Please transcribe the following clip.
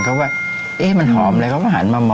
เขาก็ว่าเอ๊ะมันหอมเลยเขาก็หันมาหมอ